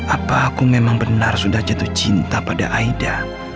apa aku memang benar sudah jatuh cinta pada aida